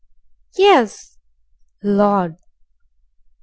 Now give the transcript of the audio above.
"Yes." "Lord!"